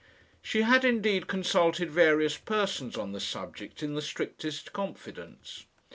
She had, indeed, consulted various persons on the subject in the strictest confidence.